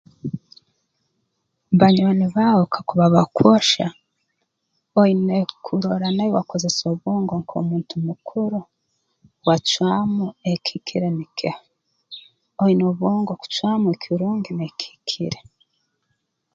Banywani baawe kakuba bakwohya oine kurora naiwe wakozesa obwongo nk'omuntu mukuru wacwamu ekihikire nikiha oine obwongo kucwamu ekirungi n'ekihikire